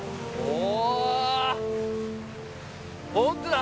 お。